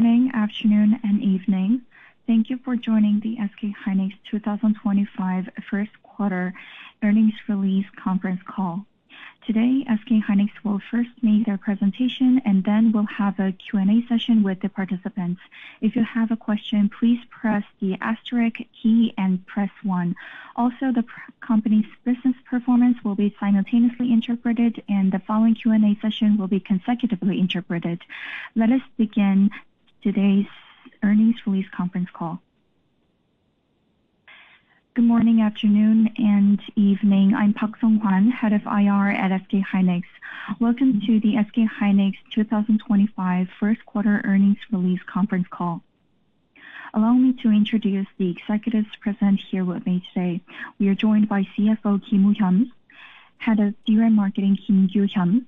Good morning, afternoon, and evening. Thank you for joining the SK hynix 2025 Q1 Earnings Release Conference Call. Today, SK hynix will first make their presentation, and then we'll have a Q&A session with the participants. If you have a question, please press the asterisk key and press one. Also, the company's business performance will be simultaneously interpreted, and the following Q&A session will be consecutively interpreted. Let us begin today's Earnings Release Conference Call. Good morning, afternoon, and evening. I'm Park Seong-Hwan, Head of IR at SK hynix. Welcome to the SK hynix 2025 Q1 Earnings Release Conference Call. Allow me to introduce the executives present here with me today. We are joined by CFO Kim Woo-Hyun, Head of DRAM Marketing Kim Gyu-Hyun,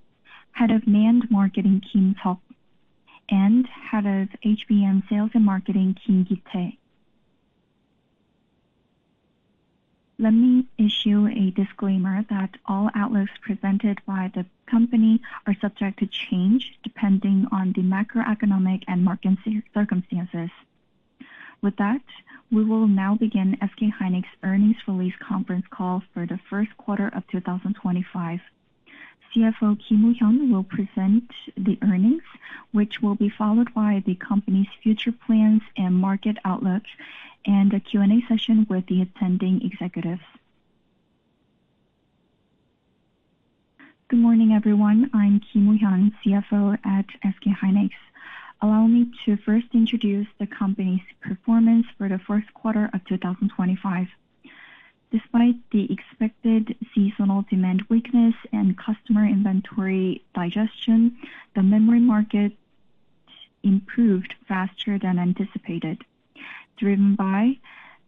Head of NAND Marketing Kim Seok, and Head of HBM Sales and Marketing Kim Ki-Tae. Let me issue a disclaimer that all outlooks presented by the company are subject to change depending on the macroeconomic and market circumstances. With that, we will now begin SK hynix Earnings Release Conference Call for the Q1 of 2025. CFO Kim Woo-Hyun will present the earnings, which will be followed by the company's future plans and market outlook, and a Q&A session with the attending executives. Good morning, everyone. I'm Kim Woo-Hyun, CFO at SK hynix. Allow me to first introduce the company's performance for the Q1 of 2025. Despite the expected seasonal demand weakness and customer inventory digestion, the memory market improved faster than anticipated, driven by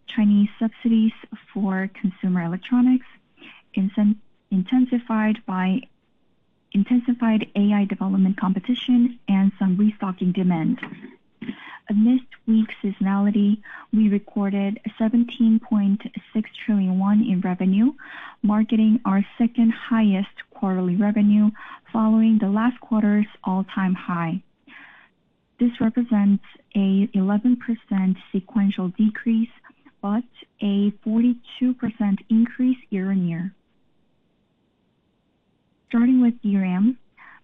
Chinese subsidies for consumer electronics, intensified by intensified AI development competition, and some restocking demand. Amidst weak seasonality, we recorded 17.6 trillion won in revenue, marking our second highest quarterly revenue following the last quarter's all-time high. This represents an 11% sequential decrease but a 42% increase year-on-year. Starting with DRAM,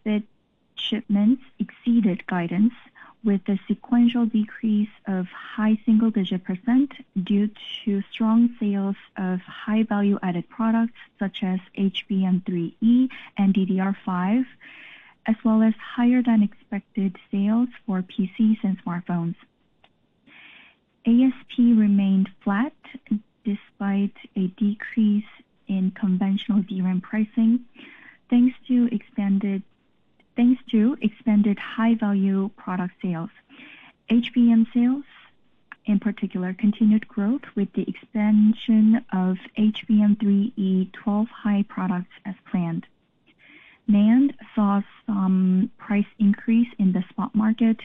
bit shipments exceeded guidance with a sequential decrease of high single-digit % due to strong sales of high-value-added products such as HBM3E and DDR5, as well as higher-than-expected sales for PCs and Smartphones. ASP remained flat despite a decrease in conventional DRAM pricing thanks to expanded high-value product sales. HBM sales, in particular, continued growth with the expansion of HBM3E high products as planned. NAND saw some price increase in the spot market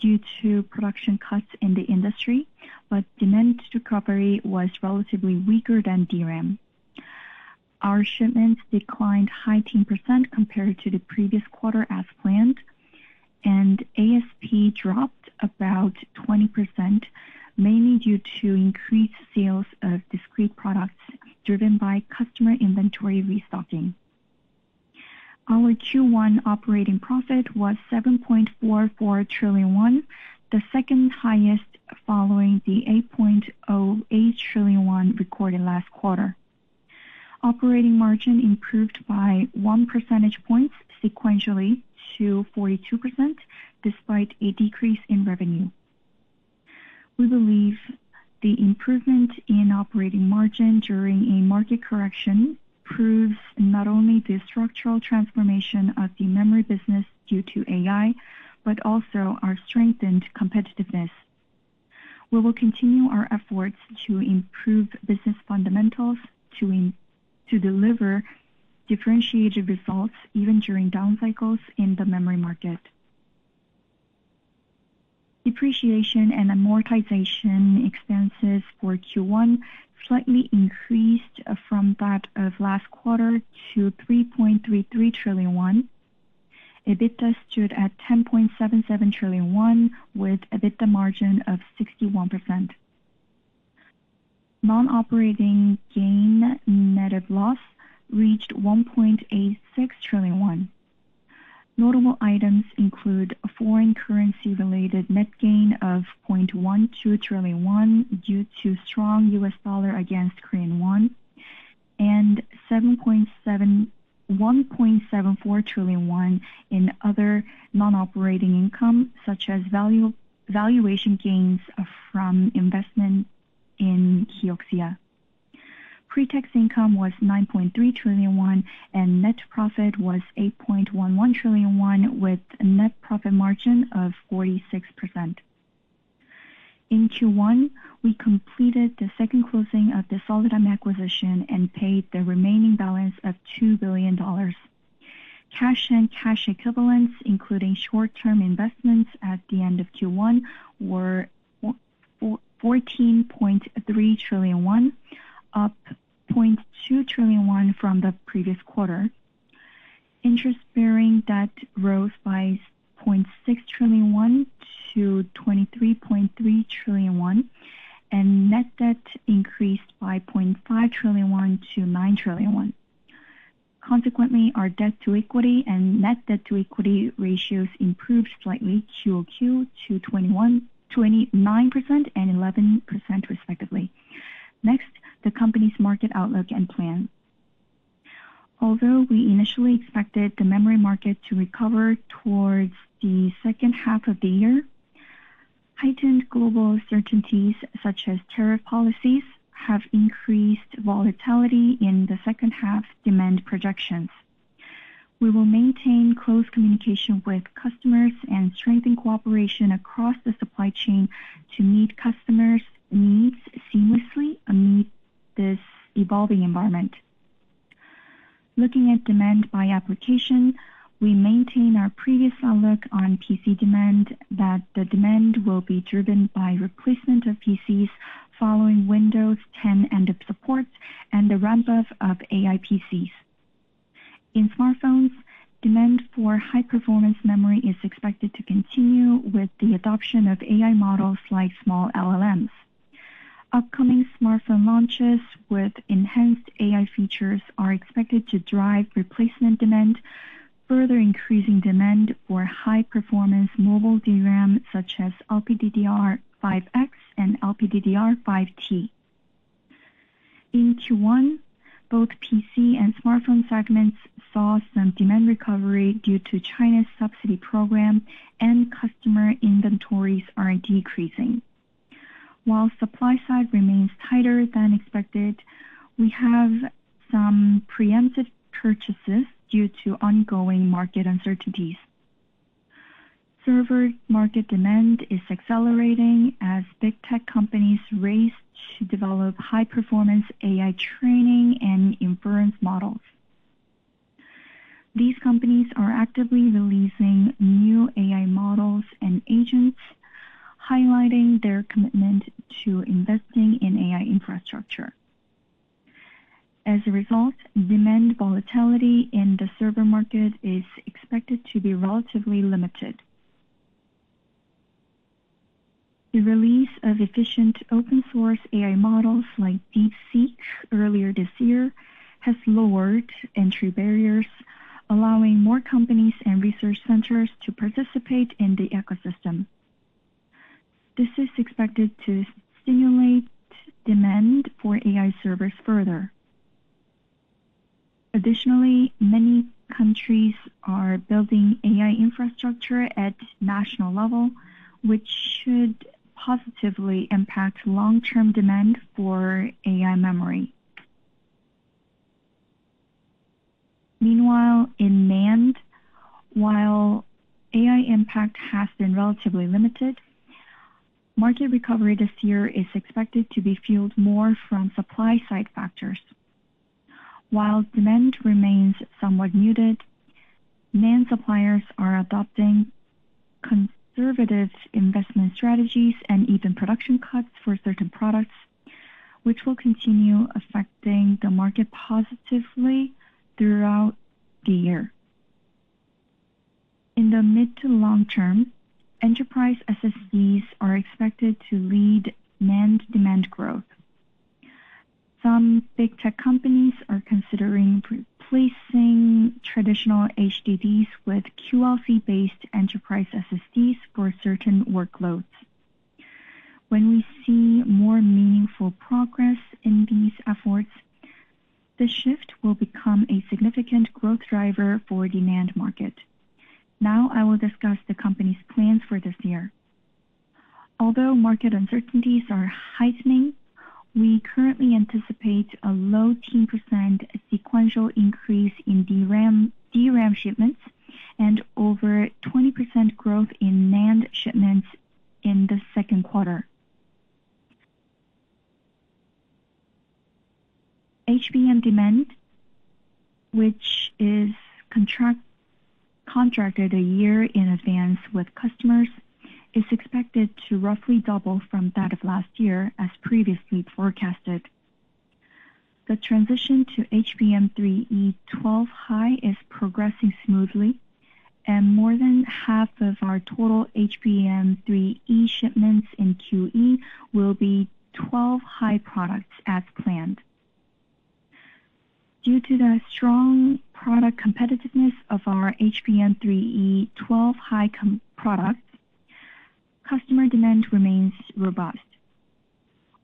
due to production cuts in the industry, but demand recovery was relatively weaker than DRAM. Our shipments declined 19% compared to the previous quarter as planned, and ASP dropped about 20%, mainly due to increased sales of discrete products driven by customer inventory restocking. Our Q1 operating profit was 7.44 trillion won, the second highest following the 8.08 trillion won recorded last quarter. Operating margin improved by 1 percentage point sequentially to 42% despite a decrease in revenue. We believe the improvement in operating margin during a market correction proves not only the structural transformation of the memory business due to AI but also our strengthened competitiveness. We will continue our efforts to improve business fundamentals to deliver differentiated results even during down cycles in the memory market. Depreciation and amortization expenses for Q1 slightly increased from that of last quarter to 3.33 trillion won. EBITDA stood at 10.77 trillion won with EBITDA margin of 61%. Non-operating gain net of loss reached 1.86 trillion won. Notable items include foreign currency-related net gain of 0.12 trillion won due to strong US dollar against Korean Won and 1.74 trillion won in other non-operating income such as valuation gains from investment in Kioxia. Pre-tax income was 9.3 trillion won, and net profit was 8.11 trillion won with a net profit margin of 46%. In Q1, we completed the second closing of the Solidigm acquisition and paid the remaining balance of $2 billion. Cash and cash equivalents, including short-term investments at the end of Q1, were 14.3 trillion won, up 0.2 trillion won from the previous quarter. Interest-bearing debt rose by 0.6 trillion won to 23.3 trillion won, and net debt increased by 0.5 trillion won to 9 trillion won. Consequently, our debt-to-equity and net debt-to-equity ratios improved slightly QOQ to 29% and 11%, respectively. Next, the company's market outlook and plan. Although we initially expected the memory market to recover towards the second half of the year, heightened global certainties such as tariff policies have increased volatility in the second half demand projections. We will maintain close communication with customers and strengthen cooperation across the supply chain to meet customers' needs seamlessly amid this evolving environment. Looking at demand by application, we maintain our previous outlook on PC demand that the demand will be driven by replacement of PCs following Windows 10 end-of-support and the ramp-up of AI PCs. In smartphones, demand for high-performance memory is expected to continue with the adoption of AI models like small LLMs. Upcoming smartphone launches with enhanced AI features are expected to drive replacement demand, further increasing demand for high-performance mobile DRAM such as LPDDR5X and LPDDR5T. In Q1, both PC and smartphone segments saw some demand recovery due to China's subsidy program, and customer inventories are decreasing. While supply side remains tighter than expected, we have some preemptive purchases due to ongoing market uncertainties. Server market demand is accelerating as big tech companies race to develop high-performance AI training and inference models. These companies are actively releasing new AI models and agents, highlighting their commitment to investing in AI infrastructure. As a result, demand volatility in the server market is expected to be relatively limited. The release of efficient open-source AI models like DeepSeek earlier this year has lowered entry barriers, allowing more companies and research centers to participate in the ecosystem. This is expected to stimulate demand for AI servers further. Additionally, many countries are building AI infrastructure at national level, which should positively impact long-term demand for AI memory. Meanwhile, in NAND, while AI impact has been relatively limited, market recovery this year is expected to be fueled more from supply-side factors. While demand remains somewhat muted, NAND suppliers are adopting conservative investment strategies and even production cuts for certain products, which will continue affecting the market positively throughout the year. In the mid to long term, enterprise SSDs are expected to lead NAND demand growth. Some big tech companies are considering replacing traditional HDDs with QLC-based enterprise SSDs for certain workloads. When we see more meaningful progress in these efforts, the shift will become a significant growth driver for the NAND market. Now, I will discuss the company's plans for this year. Although market uncertainties are heightening, we currently anticipate a low 10% sequential increase in DRAM shipments and over 20% growth in NAND shipments in the Q2. HBM demand, which is contracted a year in advance with customers, is expected to roughly double from that of last year, as previously forecasted. The transition to HBM3E 12-high is progressing smoothly, and more than half of our total HBM3E shipments in Q2 will be 12-high products as planned. Due to the strong product competitiveness of our HBM3E 12-high product, customer demand remains robust.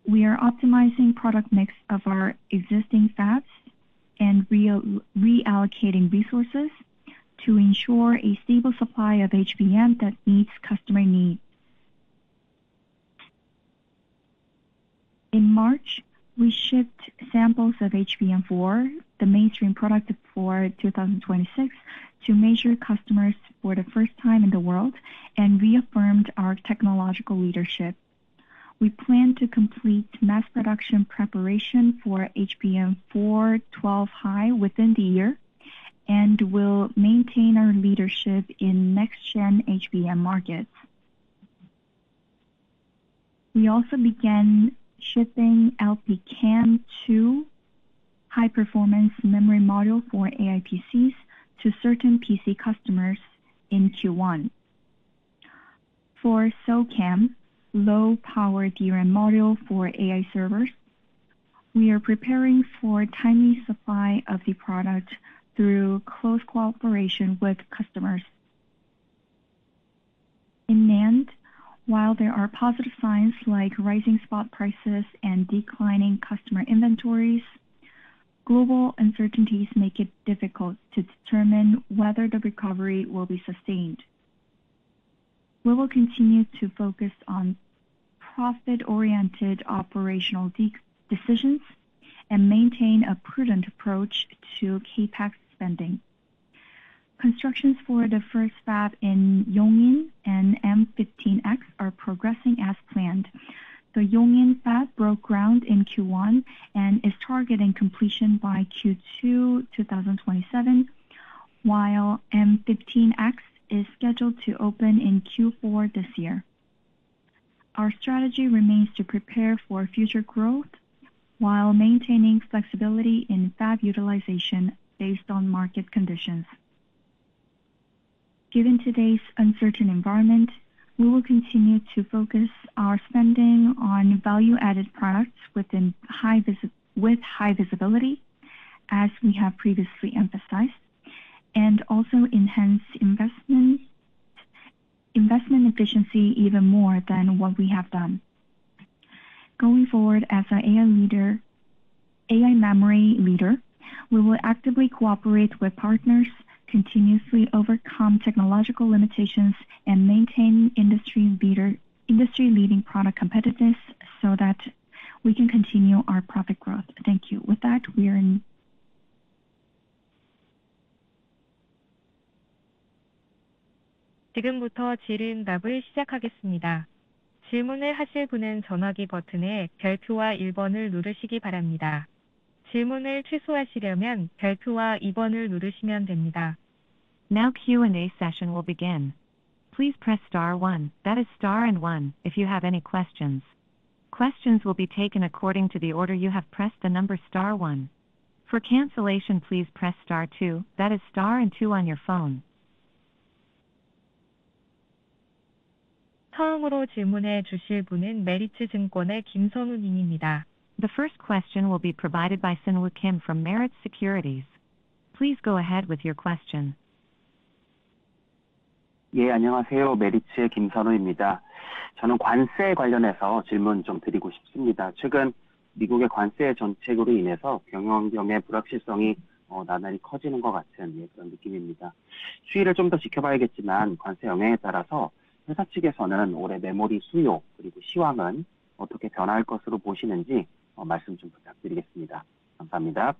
We are optimizing product mix of our existing fabs and reallocating resources to ensure a stable supply of HBM that meets customer needs. In March, we shipped samples of HBM4, the mainstream product for 2026, to major customers for the first time in the world and reaffirmed our technological leadership. We plan to complete mass production preparation for HBM4 12-high within the year and will maintain our leadership in next-gen HBM markets. We also began shipping LPCAMM2 High-performance Memory Module for AI PCs to certain PC customers in Q1. For Server CAMM, low-power DRAM module for AI servers, we are preparing for timely supply of the product through close cooperation with customers. In NAND, while there are positive signs like rising spot prices and declining customer inventories, global uncertainties make it difficult to determine whether the recovery will be sustained. We will continue to focus on profit-oriented operational decisions and maintain a prudent approach to CapEx spending. Constructions for the first fab in Yongin and M15X are progressing as planned. The Yongin fab broke ground in Q1 and is targeting completion by Q2 2027, while M15X is scheduled to open in Q4 this year. Our strategy remains to prepare for future growth while maintaining flexibility in fab utilization based on market conditions. Given today's uncertain environment, we will continue to focus our spending on value-added products with high visibility, as we have previously emphasized, and also enhance investment efficiency even more than what we have done. Going forward, as an AI memory leader, we will actively cooperate with partners, continuously overcome technological limitations, and maintain industry-leading product competitiveness so that we can continue our profit growth. Thank you. With that, we are in. 지금부터 질의응답을 시작하겠습니다. 질문을 하실 분은 전화기 버튼의 별표와 1번을 누르시기 바랍니다. 질문을 취소하시려면 별표와 2번을 누르시면 됩니다. Now Q&A session will begin. Please press star one, that is star and one, if you have any questions. Questions will be taken according to the order you have pressed the number star one. For cancellation, please press star two, that is star and two on your phone. 처음으로 질문해 주실 분은 메리츠증권의 김선우 님입니다. The first question will be provided by Sunwoo Kim from Meritz Securities. Please go ahead with your question. 예, 안녕하세요. 메리츠의 김선우입니다. 저는 관세 관련해서 질문 좀 드리고 싶습니다. 최근 미국의 관세 정책으로 인해서 경영 환경의 불확실성이 나날이 커지는 것 같은 그런 느낌입니다. 추이를 좀더 지켜봐야겠지만, 관세 영향에 따라서 회사 측에서는 올해 메모리 수요 그리고 시황은 어떻게 변화할 것으로 보시는지 말씀 좀 부탁드리겠습니다. 감사합니다.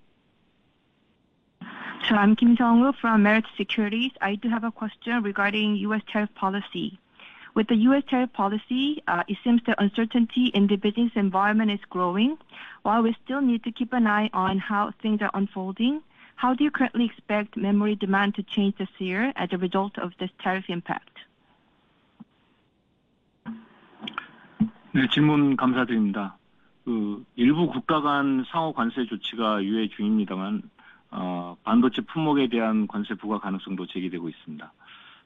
Sir, I'm Kim Sunwoo from Meritz Securities. I do have a question regarding US tariff policy. With the US tariff policy, it seems the uncertainty in the business environment is growing. While we still need to keep an eye on how things are unfolding, how do you currently expect memory demand to change this year as a result of this tariff impact? 네, 질문 감사드립니다. 일부 국가 간 상호 관세 조치가 유예 중입니다만, 반도체 품목에 대한 관세 부과 가능성도 제기되고 있습니다.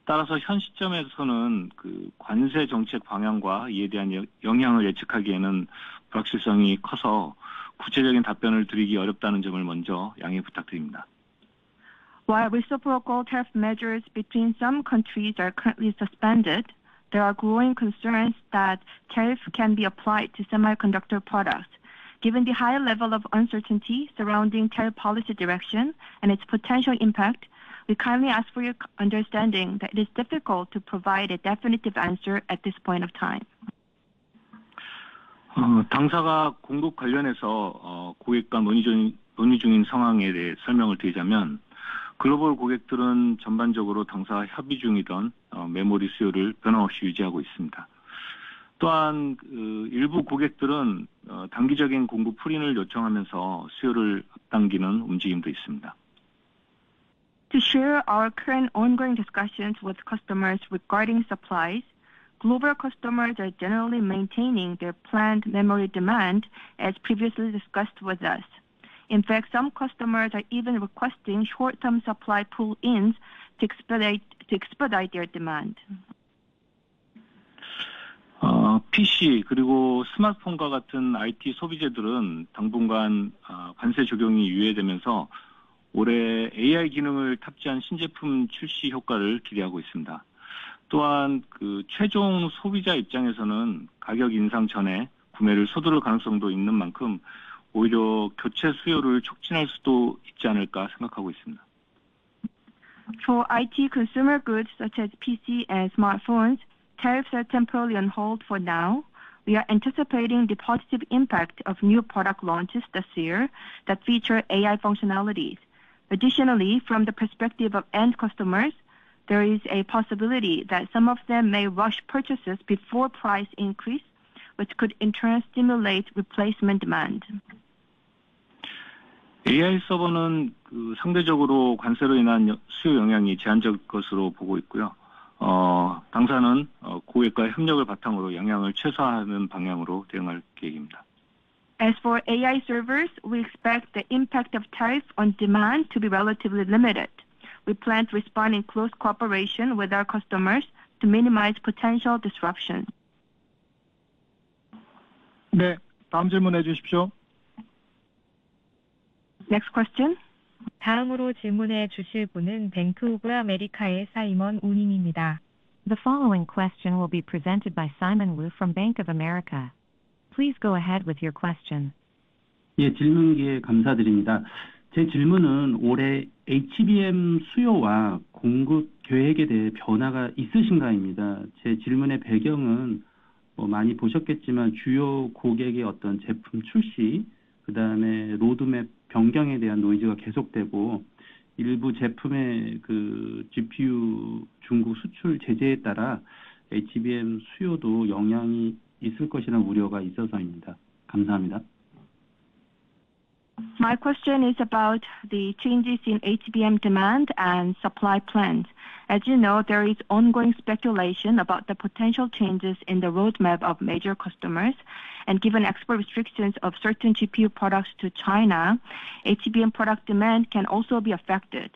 따라서 현 시점에서는 관세 정책 방향과 이에 대한 영향을 예측하기에는 불확실성이 커서 구체적인 답변을 드리기 어렵다는 점을 먼저 양해 부탁드립니다. While reciproctariff measures between some countries are currently suspended, there are growing concerns that tariffs can be applied to semiconductor products. Given the high level of uncertainty surrounding tariff policy direction and its potential impact, we kindly ask for your understanding that it is difficult to provide a definitive answer at this point of time. 당사가 공급 관련해서 고객과 논의 중인 상황에 대해 설명을 드리자면, 글로벌 고객들은 전반적으로 당사와 협의 중이던 메모리 수요를 변함없이 유지하고 있습니다. 또한 일부 고객들은 단기적인 공급 풀이를 요청하면서 수요를 앞당기는 움직임도 있습니다. To share our current ongoing discussions with customers regarding supplies, global customers are generally maintaining their planned memory demand as previously discussed with us. In fact, some customers are even requesting short-term supply pull-ins to expedite their demand. PC 그리고 스마트폰과 같은 IT 소비재들은 당분간 관세 적용이 유예되면서 올해 AI 기능을 탑재한 신제품 출시 효과를 기대하고 있습니다. 또한 최종 소비자 입장에서는 가격 인상 전에 구매를 서두를 가능성도 있는 만큼 오히려 교체 수요를 촉진할 수도 있지 않을까 생각하고 있습니다. For IT consumer goods such as PC and smartphones, tariffs are temporarily on hold for now. We are anticipating the positive impact of new product launches this year that feature AI functionalities. Additionally, from the perspective of end customers, there is a possibility that some of them may rush purchases before price increase, which could in turn stimulate replacement demand. AI 서버는 상대적으로 관세로 인한 수요 영향이 제한적일 것으로 보고 있고요. 당사는 고객과의 협력을 바탕으로 영향을 최소화하는 방향으로 대응할 계획입니다. As for AI servers, we expect the impact of tariffs on demand to be relatively limited. We plan to respond in close cooperation with our customers to minimize potential disruption.네, 다음 질문해 주십시오. Next question. 다음으로 질문해 주실 분은 Bank of America의 Simon Woo님입니다. The following question will be presented by Simon Woo from Bank of America. Please go ahead with your question. 예, 질문 기회 감사드립니다. 제 질문은 올해 HBM 수요와 공급 계획에 대해 변화가 있으신가입니다. 제 질문의 배경은 많이 보셨겠지만 주요 고객의 어떤 제품 출시, 그다음에 로드맵 변경에 대한 논의가 계속되고 일부 제품의 GPU 중국 수출 제재에 따라 HBM 수요도 영향이 있을 것이라는 우려가 있어서입니다. 감사합니다. My question is about the changes in HBM demand and supply plans. As you know, there is ongoing speculation about the potential changes in the roadmap of major customers, and given export restrictions of certain GPU products to China, HBM product demand can also be affected.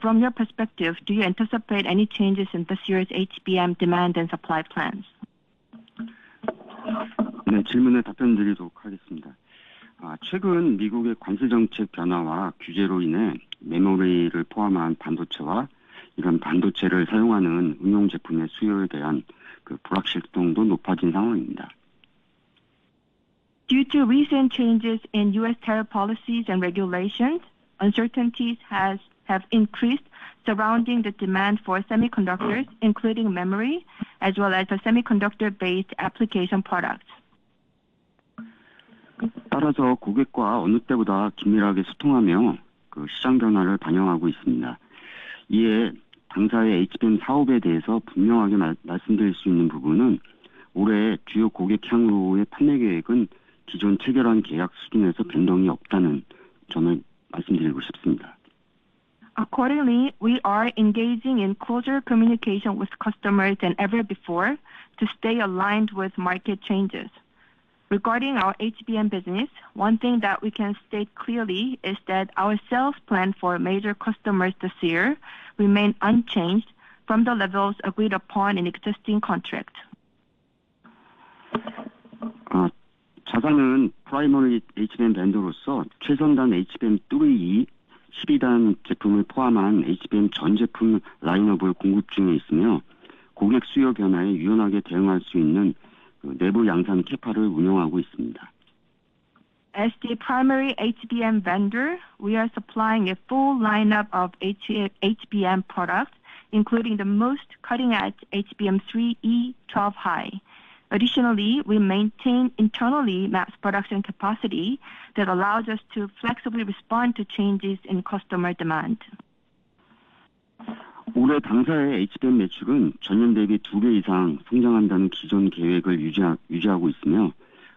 From your perspective, do you anticipate any changes in this year's HBM demand and supply plans? 네, 질문에 답변드리도록 하겠습니다. 최근 미국의 관세 정책 변화와 규제로 인해 메모리를 포함한 반도체와 이런 반도체를 사용하는 응용 제품의 수요에 대한 불확실성도 높아진 상황입니다. Due to recent changes in U.S. tariff policies and regulations, uncertainties have increased surrounding the demand for semiconductors, including memory, as well as semiconductor-based application products. 따라서 고객과 어느 때보다 긴밀하게 소통하며 시장 변화를 반영하고 있습니다. 이에 당사의 HBM 사업에 대해서 분명하게 말씀드릴 수 있는 부분은 올해 주요 고객 향후의 판매 계획은 기존 체결한 계약 수준에서 변동이 없다는 점을 말씀드리고 싶습니다. Accordingly, we are engaging in closer communication with customers than ever before to stay aligned with market changes. Regarding our HBM business, one thing that we can state clearly is that our sales plan for major customers this year remains unchanged from the levels agreed upon in existing contracts. 자사는 프라이머리 HBM 벤더로서 최선단 HBM3E, 12단 제품을 포함한 HBM 전 제품 라인업을 공급 중에 있으며, 고객 수요 변화에 유연하게 대응할 수 있는 내부 양산 캐파를 운영하고 있습니다. As the primary HBM vendor, we are supplying a full lineup of HBM products, including the most cutting-edge HBM3E 12-high. Additionally, we maintain internally max production capacity that allows us to flexibly respond to changes in customer demand. 올해 당사의 HBM 매출은 전년 대비 2배 이상 성장한다는 기존 계획을 유지하고 있으며,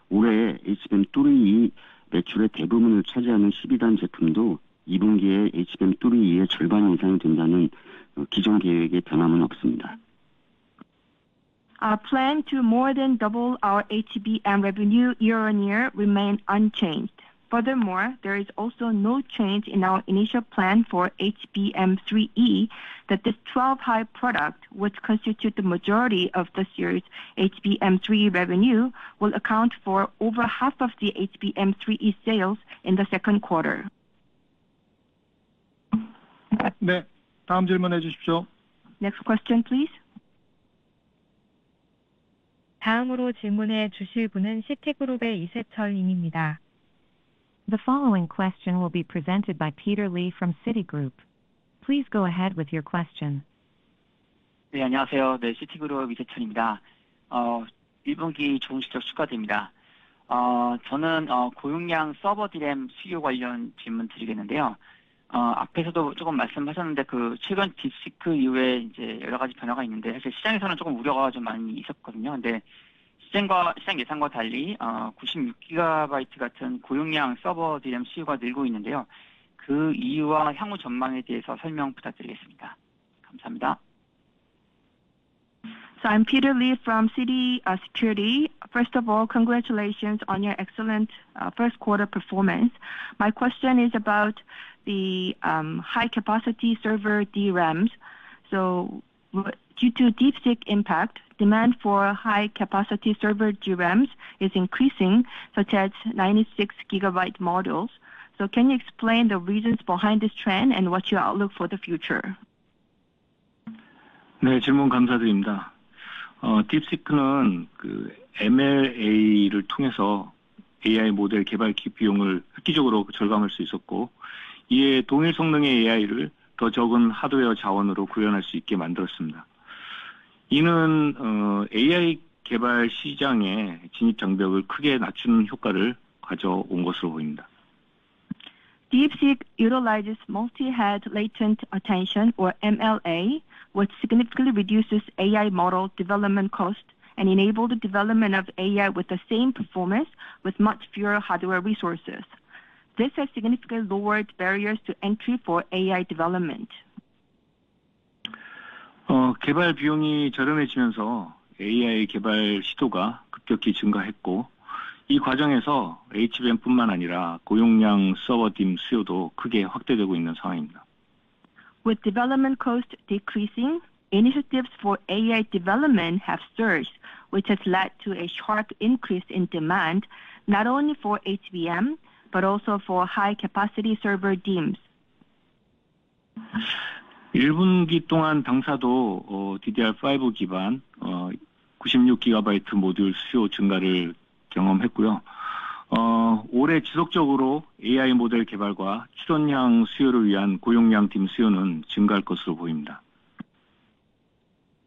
올해의 HBM3E 매출의 대부분을 차지하는 12단 제품도 2분기에 HBM3E의 절반 이상이 된다는 기존 계획에 변함은 없습니다. Our plan to more than double our HBM revenue year-on-year remains unchanged. Furthermore, there is also no change in our initial plan for HBM3E that this 12-high product, which constitutes the majority of this year's HBM3E revenue, will account for over half of the HBM3E sales in the Q2. 네, 다음 질문해 주십시오. Next question, please. 다음으로 질문해 주실 분은 시티그룹의 이세철 님입니다. The following question will be presented by Peter Lee from Citigroup. Please go ahead with your question. 네, 안녕하세요. 시티그룹 이세철입니다. 1분기 좋은 실적 축하드립니다. 저는 고용량 서버 DRAM 수요 관련 질문 드리겠는데요. 앞에서도 조금 말씀하셨는데 최근 딥시크 이후에 여러 가지 변화가 있는데 사실 시장에서는 조금 우려가 좀 많이 있었거든요. 근데 시장 예상과 달리 96 GB 같은 고용량 서버 DRAM 수요가 늘고 있는데요. 그 이유와 향후 전망에 대해서 설명 부탁드리겠습니다. 감사합니다. So, I'm Peter Lee from Citigroup. First of all, congratulations on your excellent Q1 performance. My question is about the high-capacity server DRAMs. Due to DeepSeek impact, demand for high-capacity server DRAMs is increasing, such as 96 GB models. Can you explain the reasons behind this trend and what your outlook for the future is? 네, 질문 감사드립니다. 딥시크는 MLA를 통해서 AI 모델 개발 비용을 획기적으로 절감할 수 있었고, 이에 동일 성능의 AI를 더 적은 하드웨어 자원으로 구현할 수 있게 만들었습니다. 이는 AI 개발 시장의 진입 장벽을 크게 낮추는 효과를 가져온 것으로 보입니다. DeepSeek utilizes multi-head latent attention, or MLA, which significantly reduces AI model development costs and enables the development of AI with the same performance with much fewer hardware resources. This has significantly lowered barriers to entry for AI development. 개발 비용이 저렴해지면서 AI 개발 시도가 급격히 증가했고, 이 과정에서 HBM뿐만 아니라 고용량 서버 DIMM 수요도 크게 확대되고 있는 상황입니다. With development costs decreasing, initiatives for AI development have surged, which has led to a sharp increase in demand, not only for HBM but also for high-capacity server DIMMs. 1분기 동안 당사도 DDR5 기반 96 GB 모듈 수요 증가를 경험했고요. 올해 지속적으로 AI 모델 개발과 추론량 수요를 위한 고용량 DIMM 수요는 증가할 것으로 보입니다.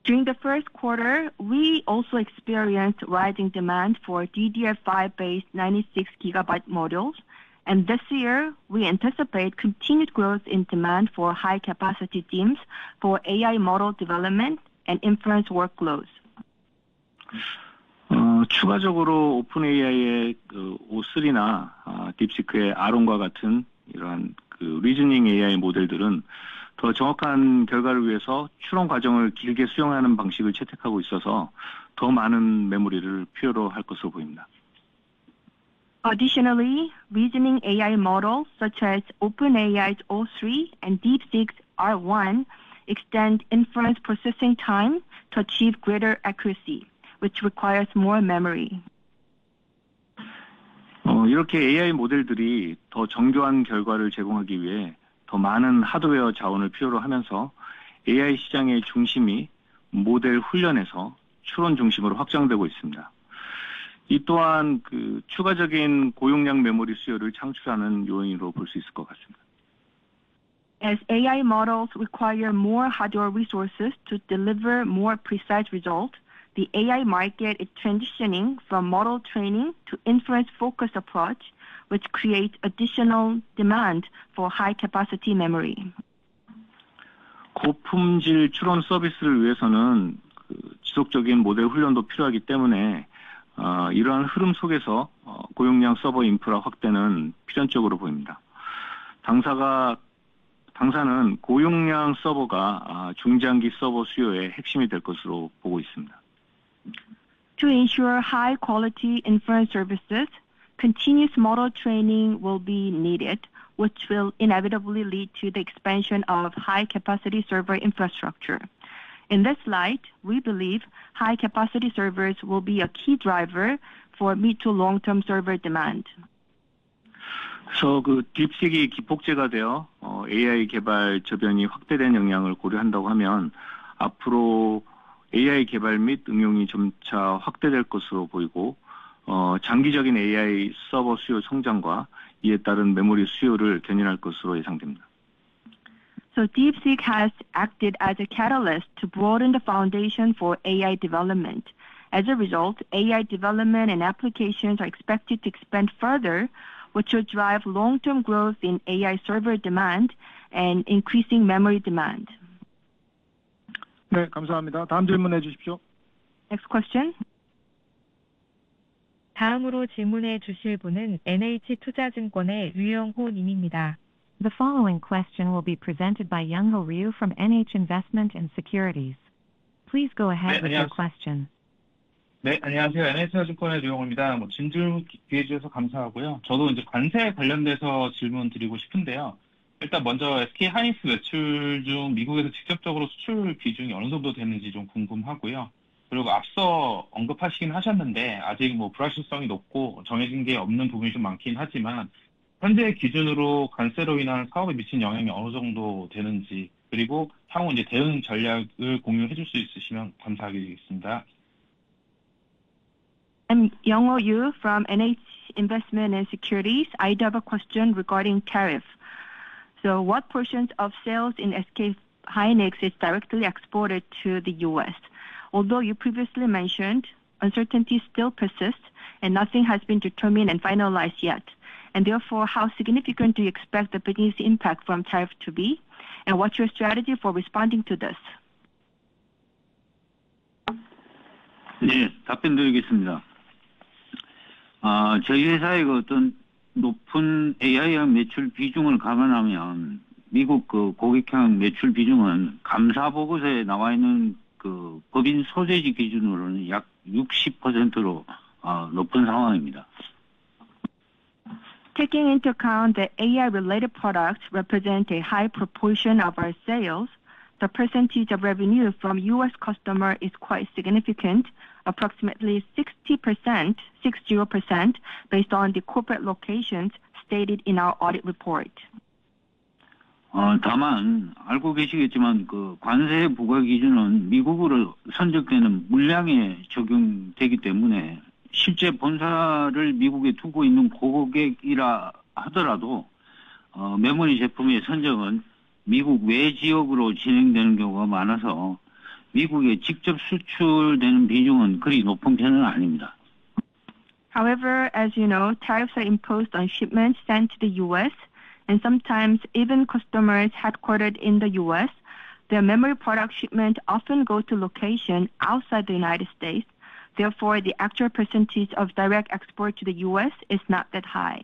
During the Q1, we also experienced rising demand for DDR5-based 96 GB models, and this year we anticipate continued growth in demand for high-capacity DIMMs for AI model development and inference workloads. 추가적으로 오픈AI의 O3나 딥시크의 R1과 같은 이러한 리즈닝 AI 모델들은 더 정확한 결과를 위해서 추론 과정을 길게 수용하는 방식을 채택하고 있어서 더 많은 메모리를 필요로 할 것으로 보입니다. Additionally, reasoning AI models such as OpenAI's O3 and DeepSeek's R1 extend inference processing time to achieve greater accuracy, which requires more memory. 이렇게 AI 모델들이 더 정교한 결과를 제공하기 위해 더 많은 하드웨어 자원을 필요로 하면서 AI 시장의 중심이 모델 훈련에서 추론 중심으로 확장되고 있습니다. 이 또한 추가적인 고용량 메모리 수요를 창출하는 요인으로 볼수 있을 것 같습니다. As AI models require more hardware resources to deliver more precise results, the AI market is transitioning from model training to inference-focused approach, which creates additional demand for high-capacity memory. 고품질 추론 서비스를 위해서는 지속적인 모델 훈련도 필요하기 때문에 이러한 흐름 속에서 고용량 서버 인프라 확대는 필연적으로 보입니다. 당사는 고용량 서버가 중장기 서버 수요의 핵심이 될 것으로 보고 있습니다. To ensure high-quality inference services, continuous model training will be needed, which will inevitably lead to the expansion of high-capacity server infrastructure. In this light, we believe high-capacity servers will be a key driver for mid- to long-term server demand. 딥시크의 기폭제가 되어 AI 개발 저변이 확대된 영향을 고려한다고 하면 앞으로 AI 개발 및 응용이 점차 확대될 것으로 보이고 장기적인 AI 서버 수요 성장과 이에 따른 메모리 수요를 견인할 것으로 예상됩니다. DeepSeek has acted as a catalyst to broaden the foundation for AI Development. As a result, AI Development and Applications are expected to expand further, which will drive long-term growth in AI server demand and increasing memory demand. 네, 감사합니다. 다음 질문해 주십시오. Next question. Your question. Yes, hello. This is Young Ho Ryu from NH Investment and Securities. The following question will be presented by Young Ho Ryu from NH Investment and Securities. Please go ahead with your quesiton. Thank you for giving me the opportunity to ask a question. I also would like to ask about tariffs. First, I am curious about what portion of SK hynix sales is directly exported to the U.S. Also, as you mentioned earlier, although there is still a lot of uncertainty and many things have not been decided yet, I would like to know, as of now, to what extent tariffs have impacted the business and if you could share your future response strategies, I would appreciate it. Young Ho Ryu from NH Investment and Securities. I do have a question regarding tariffs. What portions of sales in SK hynix is directly exported to the U.S.? Although you previously mentioned uncertainty still persists and nothing has been determined and finalized yet, and therefore how significant do you expect the business impact from tariff to be and what's your strategy for responding to this? 네, 답변 드리겠습니다. 저희 회사의 어떤 높은 AI형 매출 비중을 감안하면 미국 고객형 매출 비중은 감사 보고서에 나와 있는 법인 소재지 기준으로는 약 60%로 높은 상황입니다. Taking into account that AI-related products represent a high proportion of our sales, the percentage of revenue from US customers is quite significant, approximately 60% based on the corporate locations stated in our audit report. 다만 알고 계시겠지만 관세 부과 기준은 미국으로 선적되는 물량에 적용되기 때문에 실제 본사를 미국에 두고 있는 고객이라 하더라도 메모리 제품의 선적은 미국 외 지역으로 진행되는 경우가 많아서 미국에 직접 수출되는 비중은 그리 높은 편은 아닙니다. However, as you know, tariffs are imposed on shipments sent to the U.S., and sometimes even customers headquartered in the U.S., their memory product shipments often go to locations outside the United States. Therefore, the actual percentage of direct export to the U.S. is not that high.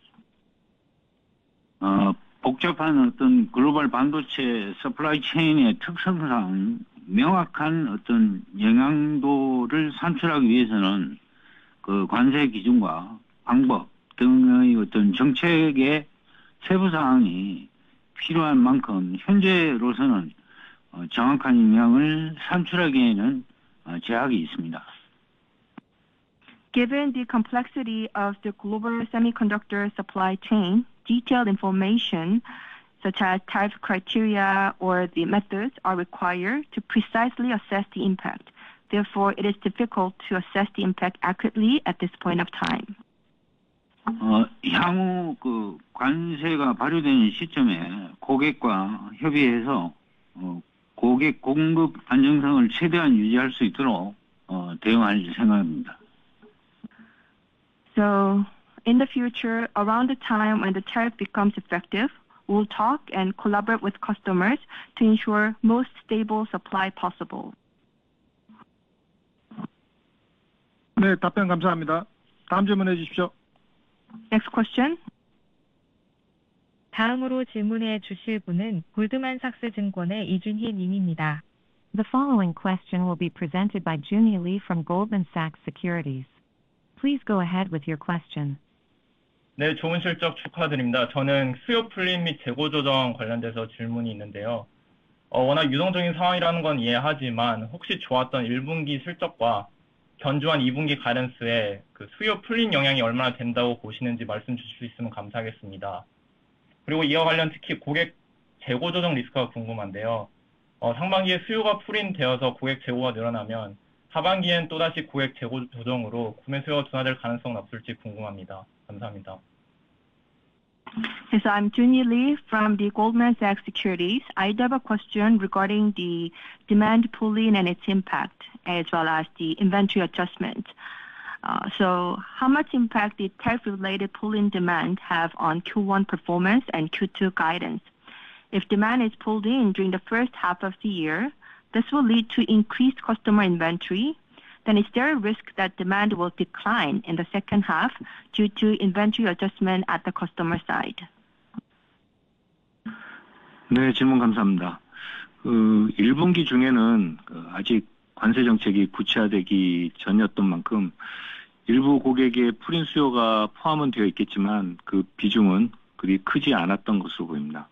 복잡한 어떤 글로벌 반도체 서플라이 체인의 특성상 명확한 어떤 영향도를 산출하기 위해서는 관세 기준과 방법 등의 어떤 정책의 세부 사항이 필요한 만큼 현재로서는 정확한 영향을 산출하기에는 제약이 있습니다. Given the complexity of the Global Semiconductor Supply Chain, detailed information such as tariff criteria or the methods are required to precisely assess the impact. Therefore, it is difficult to assess the impact accurately at this point of time. 향후 관세가 발효되는 시점에 고객과 협의해서 고객 공급 안정성을 최대한 유지할 수 있도록 대응할 생각입니다. In the future, around the time when the tariff becomes effective, we'll talk and collaborate with customers to ensure the most stable supply possible. 네, 답변 감사합니다. 다음 질문해 주십시오. Next question. 다음으로 질문해 주실 분은 골드만삭스 증권의 이준희 님입니다. The following question will be presented by Giuni Lee from Goldman Sachs Securities. Please go ahead with your question. 네, 좋은 실적 축하드립니다. 저는 수요 풀림 및 재고 조정 관련돼서 질문이 있는데요. 워낙 유동적인 상황이라는 건 이해하지만 혹시 좋았던 1분기 실적과 견조한 2분기 가이던스의 수요 풀림 영향이 얼마나 된다고 보시는지 말씀해 주실 수 있으면 감사하겠습니다. 그리고 이와 관련 특히 고객 재고 조정 리스크가 궁금한데요. 상반기에 수요가 풀림되어서 고객 재고가 늘어나면 하반기에는 또다시 고객 재고 조정으로 구매 수요가 둔화될 가능성은 없을지 궁금합니다. 감사합니다. I'm Giuni Lee from Goldman Sachs Securities. I do have a question regarding the demand pull in and its impact, as well as the inventory adjustment. How much impact did tariff-related pull-in demand have on Q1 performance and Q2 guidance? If demand is pulled-in during the first half of the year, this will lead to increased customer inventory. Is there a risk that demand will decline in the second half due to inventory adjustment at the customer side? 네, 질문 감사합니다. 1분기 중에는 아직 관세 정책이 구체화되기 전이었던 만큼 일부 고객의 풀림 수요가 포함은 되어 있겠지만 그 비중은 그리 크지 않았던 것으로 보입니다.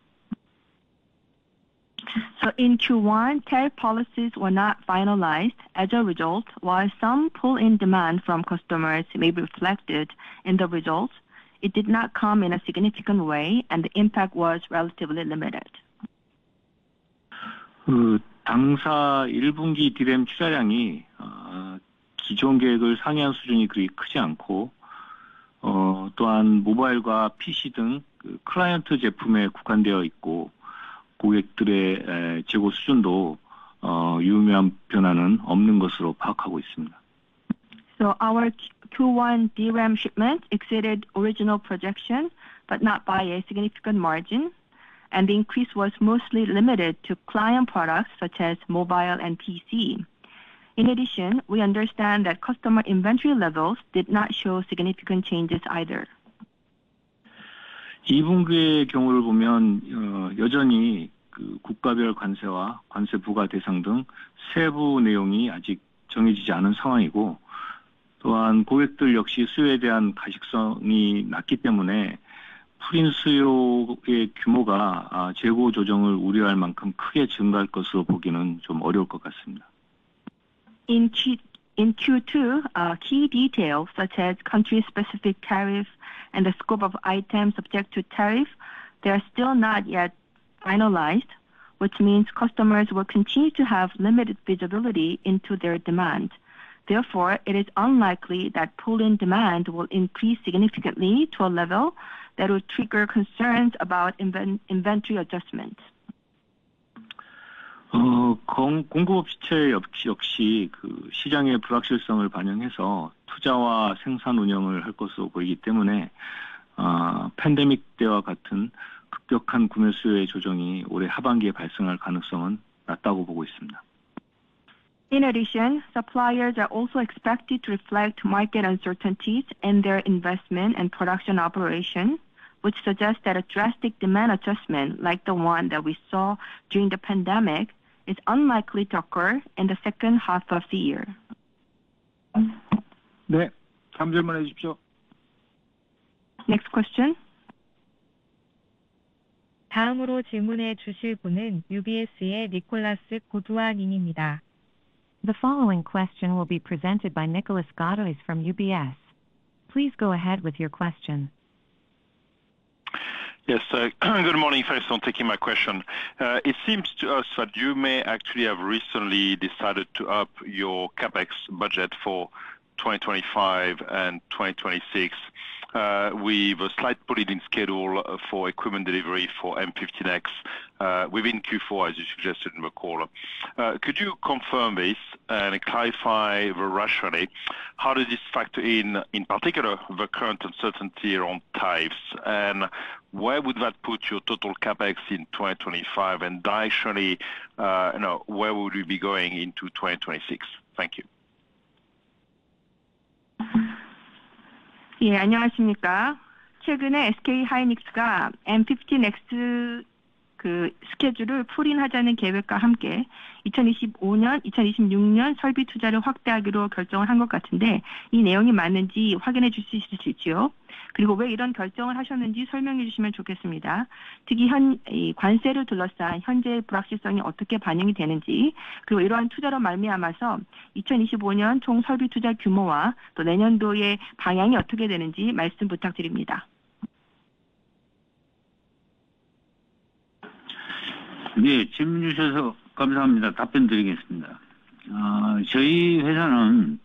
In Q1, tariff policies were not finalized. As a result, while some pull-in demand from customers may be reflected in the results, it did not come in a significant way, and the impact was relatively limited. 당사 1분기 DRAM 투자량이 기존 계획을 상회한 수준이 그리 크지 않고, 또한 모바일과 PC 등 클라이언트 제품에 국한되어 있고 고객들의 재고 수준도 유의미한 변화는 없는 것으로 파악하고 있습니다. Our Q1 DRAM shipment exceeded original projection but not by a significant margin, and the increase was mostly limited to client products such as Mobile and PC. In addition, we understand that customer inventory levels did not show significant changes either. 2분기의 경우를 보면 여전히 국가별 관세와 관세 부과 대상 등 세부 내용이 아직 정해지지 않은 상황이고, 또한 고객들 역시 수요에 대한 가식성이 낮기 때문에 풀인 수요의 규모가 재고 조정을 우려할 만큼 크게 증가할 것으로 보기는 좀 어려울 것 같습니다. In Q2, key details such as country-specific tariffs and the scope of items subject to tariff, they are still not yet finalized, which means customers will continue to have limited visibility into their demand. Therefore, it is unlikely that pool-in demand will increase significantly to a level that would trigger concerns about inventory adjustment. 공급업체 역시 시장의 불확실성을 반영해서 투자와 생산 운영을 할 것으로 보이기 때문에 팬데믹 때와 같은 급격한 구매 수요의 조정이 올해 하반기에 발생할 가능성은 낮다고 보고 있습니다. In addition, suppliers are also expected to reflect market uncertainties in their investment and production operations, which suggests that a drastic demand adjustment like the one that we saw during the pandemic is unlikely to occur in the second half of the year. 네, 답변만 해 주십시오. Next question. 다음으로 질문해 주실 분은 UBS의 Nicolas Gaudois 님입니다. The following question will be presented by Nicolas Gaudois from UBS. Please go ahead with your question. Yes, good morning. Thanks for taking my question. It seems to us that you may actually have recently decided to up your CapEx budget for 2025 and 2026 with a slight pull-in in schedule for equipment delivery for M15X within Q4, as you suggested in the call. Could you confirm this and clarify rationally how does this factor in, in particular, the current uncertainty around tariffs? Where would that put your total CapEx in 2025? Directionally, where would you be going into 2026? Thank you. 예, 안녕하십니까. 최근에 SK하이닉스가 M15X 스케줄을 풀인하자는 계획과 함께 2025년, 2026년 설비 투자를 확대하기로 결정을 한것 같은데 이 내용이 맞는지 확인해 주실 수 있을지요? 그리고 왜 이런 결정을 하셨는지 설명해 주시면 좋겠습니다. 특히 관세를 둘러싼 현재의 불확실성이 어떻게 반영이 되는지, 그리고 이러한 투자로 말미암아서 2025년 총 설비 투자 규모와 또 내년도의 방향이 어떻게 되는지 말씀 부탁드립니다. 예, 질문 주셔서 감사합니다. 답변 드리겠습니다. 저희 회사는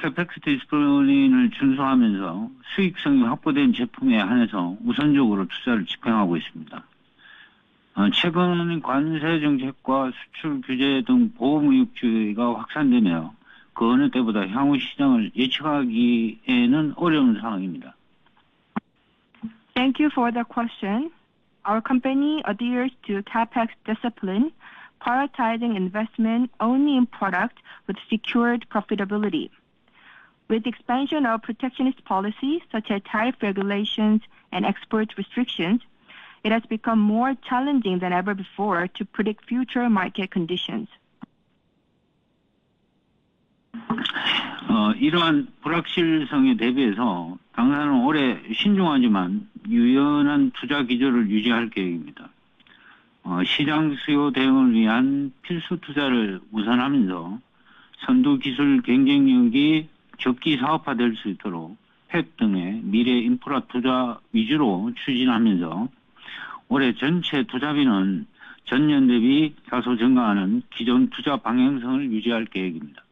CapEx 디스플레인을 준수하면서 수익성이 확보된 제품에 한해서 우선적으로 투자를 집행하고 있습니다. 최근 관세 정책과 수출 규제 등 보험 의혹 주의가 확산되며 그 어느 때보다 향후 시장을 예측하기에는 어려운 상황입니다. Thank you for the question. Our company adheres to CapEx discipline, prioritizing investment only in products with secured profitability. With the expansion of protectionist policies such as tariff regulations and export restrictions, it has become more challenging than ever before to predict future market conditions. 이러한 불확실성에 대비해서 당사는 올해 신중하지만 유연한 투자 기조를 유지할 계획입니다. 시장 수요 대응을 위한 필수 투자를 우선하면서 선두 기술 경쟁력이 적기 사업화될 수 있도록 펩 등의 미래 인프라 투자 위주로 추진하면서 올해 전체 투자비는 전년 대비 다소 증가하는 기존 투자 방향성을 유지할 계획입니다.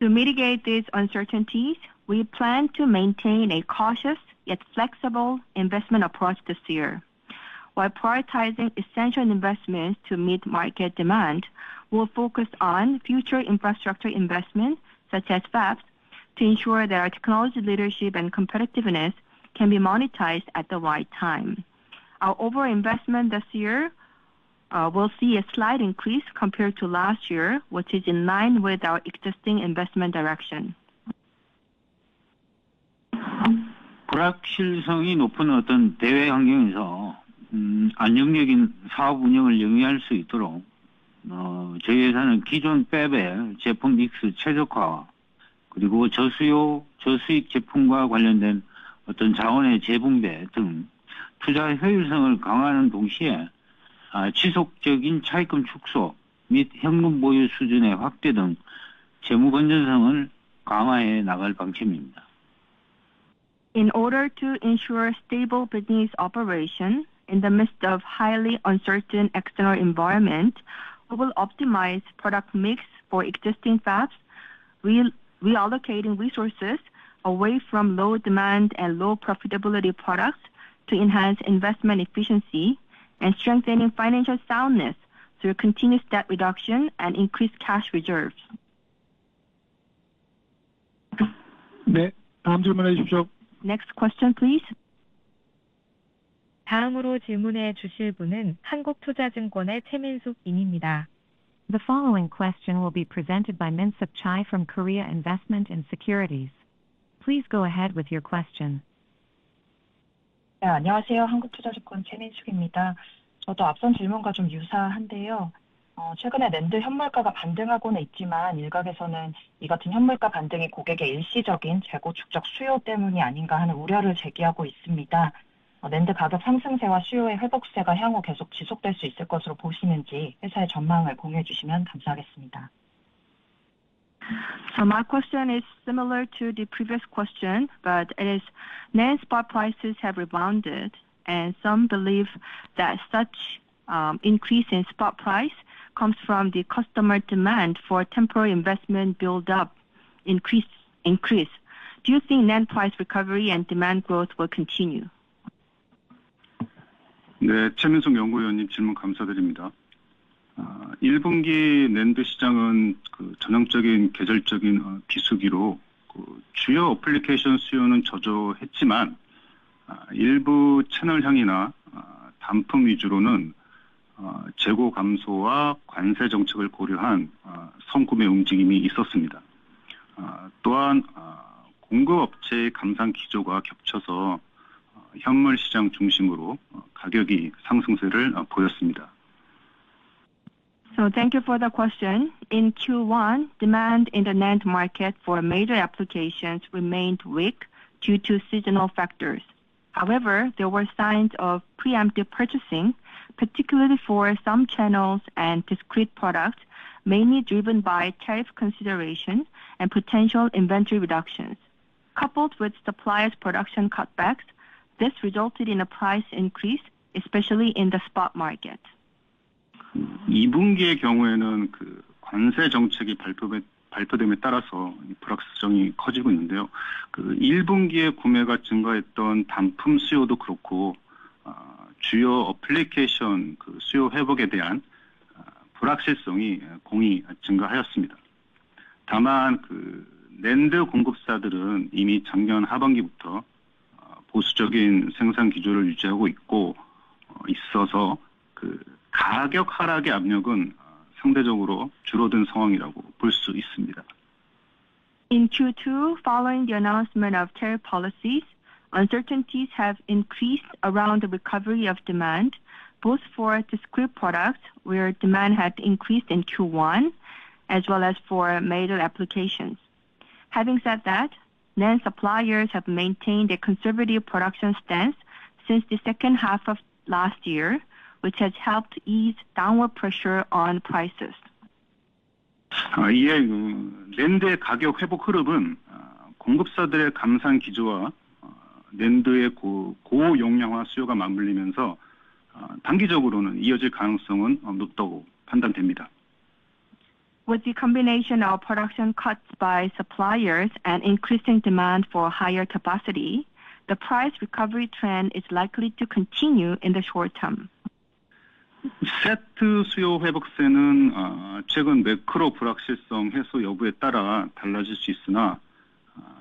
To mitigate these uncertainties, we plan to maintain a cautious yet flexible investment approach this year. While prioritizing essential investments to meet market demand, we'll focus on future infrastructure investments such as fabs to ensure that our technology leadership and competitiveness can be monetized at the right time. Our overall investment this year will see a slight increase compared to last year, which is in line with our existing investment direction. 불확실성이 높은 어떤 대외 환경에서 안정적인 사업 운영을 영위할 수 있도록 저희 회사는 기존 펩의 제품 믹스 최적화와 그리고 저수요 저수익 제품과 관련된 어떤 자원의 재분배 등 투자 효율성을 강화하는 동시에 지속적인 차입금 축소 및 현금 보유 수준의 확대 등 재무 건전성을 강화해 나갈 방침입니다. In order to ensure stable business operation in the midst of a highly uncertain external environment, we will optimize product mix for existing fabs, reallocating resources away from low-demand and low-profitability products to enhance investment efficiency and strengthening financial soundness through continuous debt reduction and increased cash reserves. 네, 다음 질문해 주십시오. Next question, please. 다음으로 질문해 주실 분은 한국투자증권의 최민숙 님입니다. The following question will be presented by Chae Min-sook from Korea Investment and Securities. Please go ahead with your question. 안녕하세요. 한국투자증권 최민숙입니다. 저도 앞선 질문과 좀 유사한데요. 최근에 낸드 현물가가 반등하고는 있지만 일각에서는 이 같은 현물가 반등이 고객의 일시적인 재고 축적 수요 때문이 아닌가 하는 우려를 제기하고 있습니다. 낸드 가격 상승세와 수요의 회복세가 향후 계속 지속될 수 있을 것으로 보시는지 회사의 전망을 공유해 주시면 감사하겠습니다. My question is similar to the previous question, but it is NAND spot prices have rebounded, and some believe that such increase in spot price comes from the customer demand for temporary investment build-up increase. Do you think NAND price recovery and demand growth will continue? 네, 최민숙 연구위원님 질문 감사드립니다. 1분기 낸드 시장은 전형적인 계절적인 비수기로 주요 어플리케이션 수요는 저조했지만 일부 채널형이나 단품 위주로는 재고 감소와 관세 정책을 고려한 선구매 움직임이 있었습니다. 또한 공급업체의 감산 기조가 겹쳐서 현물 시장 중심으로 가격이 상승세를 보였습니다. Thank you for the question. In Q1, demand in the NAND market for major applications remained weak due to seasonal factors. However, there were signs of preemptive purchasing, particularly for some channels and discrete products, mainly driven by tariff considerations and potential inventory reductions. Coupled with suppliers' production cutbacks, this resulted in a price increase, especially in the spot market. In the case of Q2, following the announcement of tariff policies, uncertainties have increased. The increase in purchasing for discrete products in Q1, as well as uncertainties around the recovery of demand for major applications, have both risen. However, NAND suppliers have already maintained a conservative production stance since the second half of last year, so the pressure for price declines has relatively eased. Having said that, NAND suppliers have maintained a conservative production stance since the second half of last year, which has helped ease downward pressure on prices. 예, 낸드의 가격 회복 흐름은 공급사들의 감산 기조와 낸드의 고용량화 수요가 맞물리면서 단기적으로는 이어질 가능성은 높다고 판단됩니다. With the combination of production cuts by suppliers and increasing demand for higher capacity, the price recovery trend is likely to continue in the short term. Set 수요 회복세는 최근 매크로 불확실성 해소 여부에 따라 달라질 수 있으나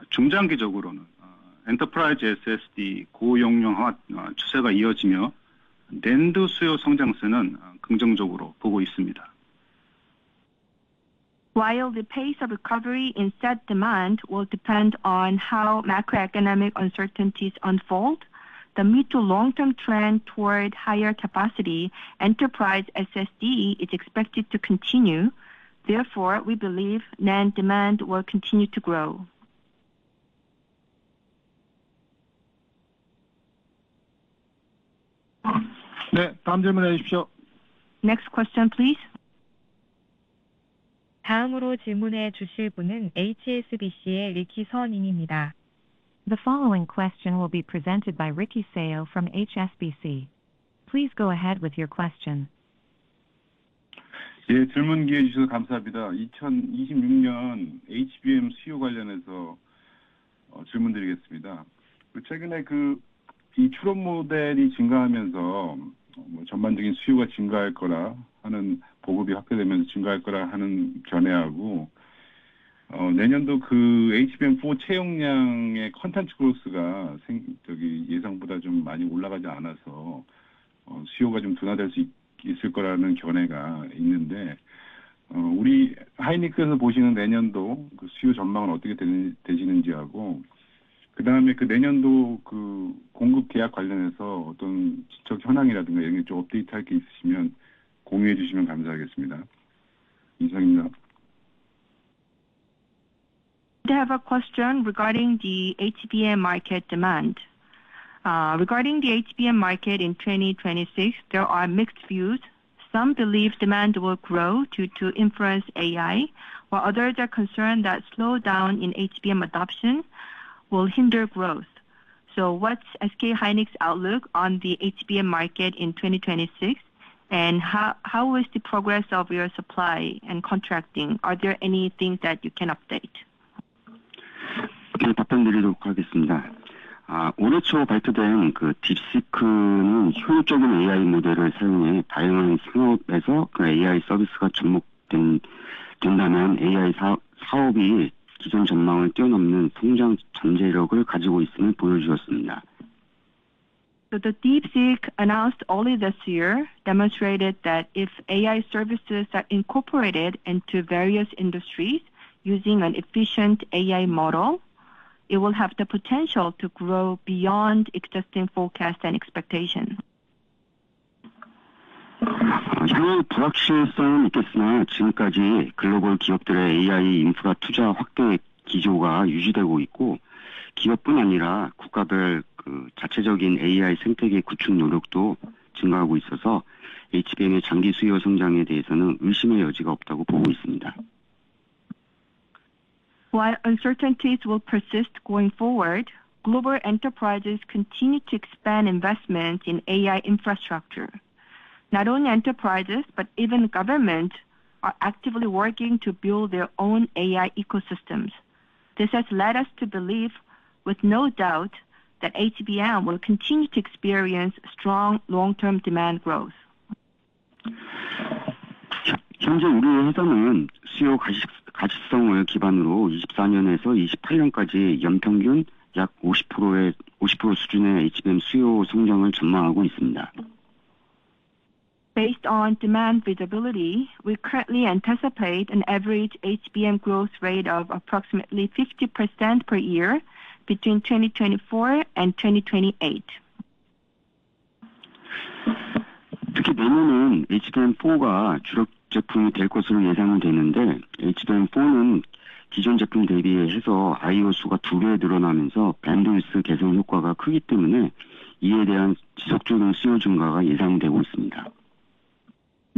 중장기적으로는 엔터프라이즈 SSD 고용량화 추세가 이어지며 낸드 수요 성장세는 긍정적으로 보고 있습니다. While the pace of recovery in Set demand will depend on how macroeconomic uncertainties unfold, the mid to long-term trend toward higher capacity enterprise SSD is expected to continue. Therefore, we believe NAND demand will continue to grow. 네, 다음 질문해 주십시오. Next question, please. 다음으로 질문해 주실 분은 HSBC의 리키 서 님입니다. The following question will be presented by Ricky Seo from HSBC. Please go ahead with your question. 예, 질문 기회 주셔서 감사합니다. 2026년 HBM 수요 관련해서 질문 드리겠습니다. 최근에 출원 모델이 증가하면서 전반적인 수요가 증가할 거라 하는 보급이 확대되면서 증가할 거라 하는 견해하고 내년도 HBM4 채용량의 컨텐츠 그로스가 예상보다 좀 많이 올라가지 않아서 수요가 좀 둔화될 수 있을 거라는 견해가 있는데 우리 하이닉스에서 보시는 내년도 수요 전망은 어떻게 되시는지하고 그다음에 내년도 공급 계약 관련해서 어떤 지적 현황이라든가 이런 게좀 업데이트할 게 있으시면 공유해 주시면 감사하겠습니다. 이상입니다. We have a question regarding the HBM market demand. Regarding the HBM market in 2026, there are mixed views. Some believe demand will grow due to inference AI, while others are concerned that slowdown in HBM adoption will hinder growth. What is SK hynix's outlook on the HBM market in 2026, and how is the progress of your supply and contracting? Are there any things that you can update? 답변 드리도록 하겠습니다. 올해 초 발표된 DeepSeek는 효율적인 AI 모델을 사용해 다양한 산업에서 AI 서비스가 접목된다면 AI 사업이 기존 전망을 뛰어넘는 성장 잠재력을 가지고 있음을 보여주었습니다. The DeepSeek announced early this year demonstrated that if AI services are incorporated into various industries using an efficient AI model, it will have the potential to grow beyond existing forecasts and expectations. 주로 불확실성이 있겠으나 지금까지 글로벌 기업들의 AI 인프라 투자 확대 기조가 유지되고 있고 기업뿐 아니라 국가별 자체적인 AI 생태계 구축 노력도 증가하고 있어서 HBM의 장기 수요 성장에 대해서는 의심의 여지가 없다고 보고 있습니다. While uncertainties will persist going forward, global enterprises continue to expand investment in AI infrastructure. Not only enterprises but even governments are actively working to build their own AI Ecosystems. This has led us to believe, with no doubt, that HBM will continue to experience strong long-term demand growth. 현재 우리 회사는 수요 가시성을 기반으로 24년에서 28년까지 연평균 약 50% 수준의 HBM 수요 성장을 전망하고 있습니다. Based on demand visibility, we currently anticipate an average HBM growth rate of approximately 50% per year between 2024 and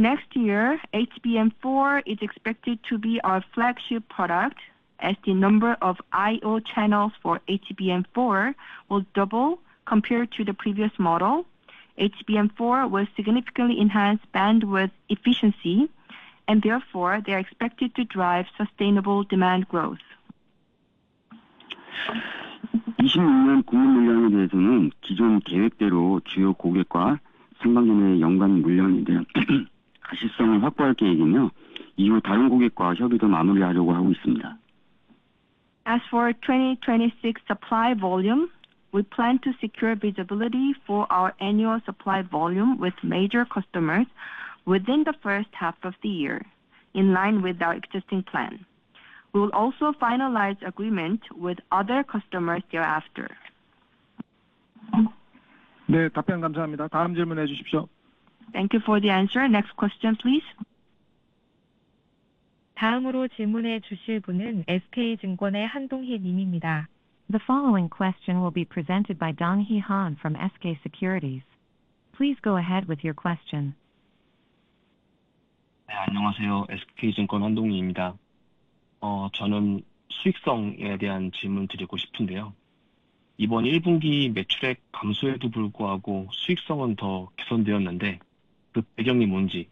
2028. 특히 내년은 HBM4가 주력 제품이 될 것으로 예상되는데 HBM4는 기존 제품 대비해서 I/O 수가 2배 늘어나면서 밴드위스 개선 효과가 크기 때문에 이에 대한 지속적인 수요 증가가 예상되고 있습니다. Next year, HBM4 is expected to be our flagship product as the number of I/O channels for HBM4 will double compared to the previous model. HBM4 will significantly enhance bandwidth efficiency and therefore they are expected to drive sustainable demand growth. 2026년 공급 물량에 대해서는 기존 계획대로 주요 고객과 상반기 내 연간 물량에 대한 가시성을 확보할 계획이며 이후 다른 고객과 협의도 마무리하려고 하고 있습니다. As for 2026 supply volume, we plan to secure visibility for our annual supply volume with major customers within the first half of the year in line with our existing plan. We will also finalize agreements with other customers thereafter. 네, 답변 감사합니다. 다음 질문해 주십시오. Thank you for the answer. Next question, please. 다음으로 질문해 주실 분은 SK증권의 한동희 님입니다. The following question will be presented by Han Dong-hee from SK Securities. Please go ahead with your question. 네, 안녕하세요. SK증권 한동희입니다. 저는 수익성에 대한 질문 드리고 싶은데요. 이번 1분기 매출액 감소에도 불구하고 수익성은 더 개선되었는데 그 배경이 뭔지,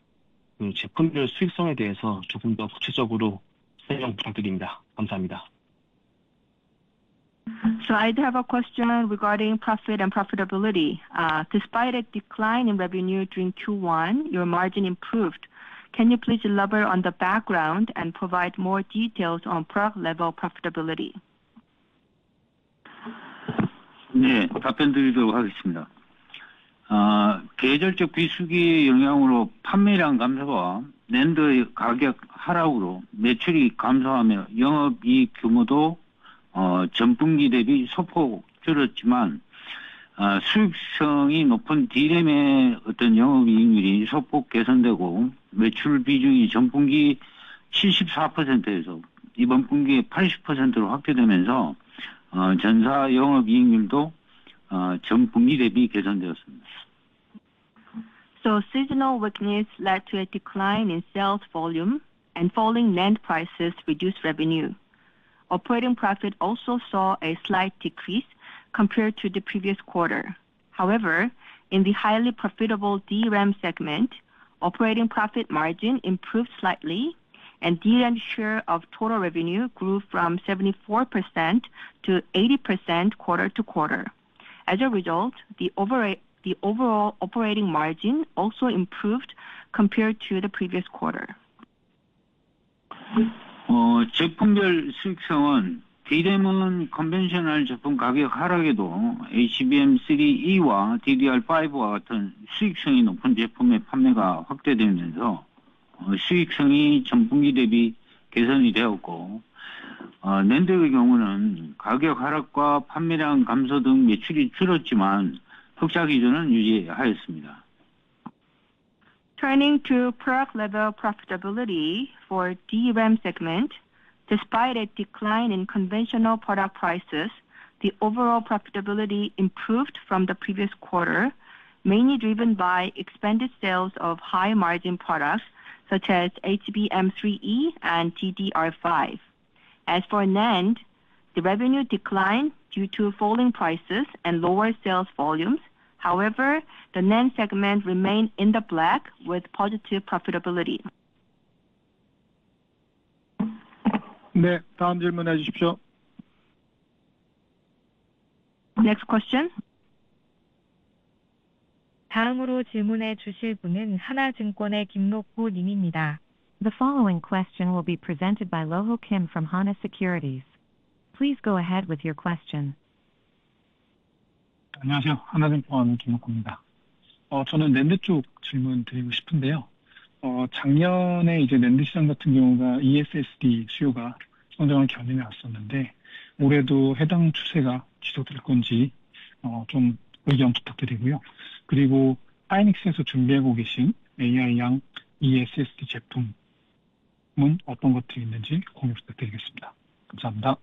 그리고 제품별 수익성에 대해서 조금 더 구체적으로 설명 부탁드립니다. 감사합니다. So I have a question regarding profit and profitability. Despite a decline in revenue during Q1, your margin improved. Can you please elaborate on the background and provide more details on product-level profitability? 네, 답변 드리도록 하겠습니다. 계절적 비수기 영향으로 판매량 감소와 낸드의 가격 하락으로 매출이 감소하며 영업이익 규모도 전 분기 대비 소폭 줄었지만 수익성이 높은 D램의 영업이익률이 소폭 개선되고 매출 비중이 전 분기 74%에서 이번 분기에 80%로 확대되면서 전사 영업이익률도 전 분기 대비 개선되었습니다. Seasonal weakness led to a decline in sales volume, and falling NAND prices reduced revenue. Operating profit also saw a slight decrease compared to the previous quarter. However, in the highly profitable DRAM segment, operating profit margin improved slightly, and DRAM share of total revenue grew from 74% to 80% quarter to quarter. As a result, the overall operating margin also improved compared to the previous quarter. 제품별 수익성은 D램은 컨벤셔널 제품 가격 하락에도 HBM3E와 DDR5와 같은 수익성이 높은 제품의 판매가 확대되면서 수익성이 전 분기 대비 개선이 되었고 낸드의 경우는 가격 하락과 판매량 감소 등 매출이 줄었지만 흑자 기조는 유지하였습니다. Turning to product-level profitability for DRAM segment, despite a decline in conventional product prices, the overall profitability improved from the previous quarter, mainly driven by expanded sales of high-margin products such as HBM3E and DDR5. As for NAND, the revenue declined due to falling prices and lower sales volumes, however, the NAND segment remained in the black with positive profitability. 네, 다음 질문해 주십시오. Next question. 다음으로 질문해 주실 분은 하나증권의 김록호 님입니다. The following question will be presented by Kim Rok-ho from Hana Securities. Please go ahead with your question. 안녕하세요. 하나증권 김록호입니다. 저는 낸드 쪽 질문 드리고 싶은데요. 작년에 낸드 시장 같은 경우가 ESSD 수요가 성장한 견해는 왔었는데 올해도 해당 추세가 지속될 건지 좀 의견 부탁드리고요. 그리고 하이닉스에서 준비하고 계신 AI 양 ESSD 제품은 어떤 것들이 있는지 공유 부탁드리겠습니다. 감사합니다.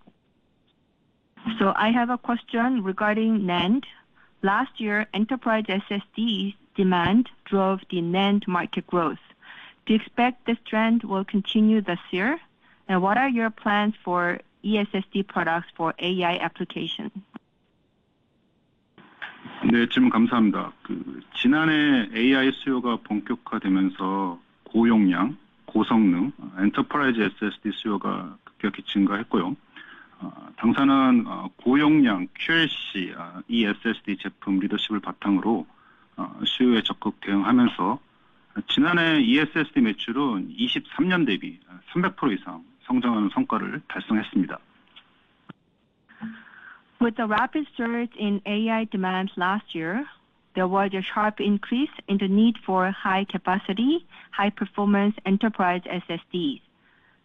I have a question regarding NAND. Last year, enterprise SSD demand drove the NAND market growth. Do you expect this trend will continue this year? What are your plans for ESSD products for AI application? 네, 질문 감사합니다. 지난해 AI 수요가 본격화되면서 고용량, 고성능 엔터프라이즈 SSD 수요가 급격히 증가했고요. 당사는 고용량 QLC ESSD 제품 리더십을 바탕으로 수요에 적극 대응하면서 지난해 ESSD 매출은 2023년 대비 300% 이상 성장하는 성과를 달성했습니다. With the rapid surge in AI demand last year, there was a sharp increase in the need for high-capacity, high-performance enterprise SSDs.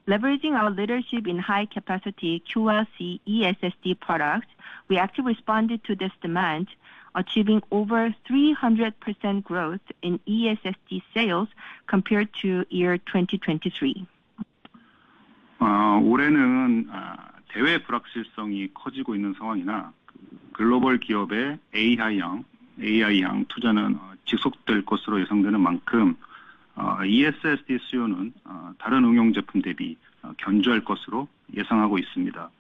Leveraging our leadership in high-capacity QLC ESSD products, we actively responded to this demand, achieving over 300% growth in ESSD sales compared to year 2023. 올해는 대외 불확실성이 커지고 있는 상황이나 글로벌 기업의 AI 양 투자는 지속될 것으로 예상되는 만큼 ESSD 수요는 다른 응용 제품 대비 견조할 것으로 예상하고 있습니다.